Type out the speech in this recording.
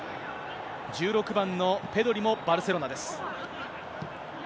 １６番のペドリもバルセロナです。